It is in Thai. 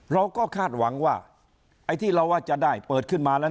เราก็คาดหวังว่าไอ้ที่เราว่าจะได้เปิดขึ้นมาแล้ว